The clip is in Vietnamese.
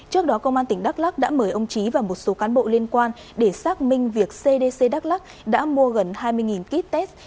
trước đó công an tỉnh đắk lắc đã mời ông trí và một số cán bộ liên quan để xác minh việc cdc đắk lắc đã mua gần hai mươi kit test